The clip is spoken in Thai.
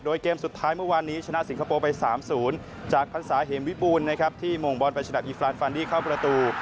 โดยเกมสุดท้ายเมื่อวานนี้ชนะสิงคโปร์ไป๓๐จากพรรษาเหมวิบูรณ์นะครับที่มงบอลไปชนะอีฟรานฟานดี้เข้าประตู